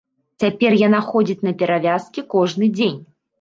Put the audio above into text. Цяпер яна ходзіць на перавязкі кожны дзень.